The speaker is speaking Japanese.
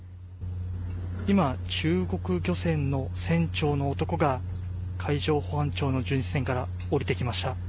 今、中国漁船の船長の男が海上保安庁の巡視船から降りてきました。